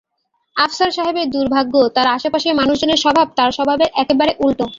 আফসার সাহেবের দুর্ভাগ্য, তাঁর আশেপাশের মানুষজনের স্বভাব তাঁর স্বভাবের একেবারে উল্টো।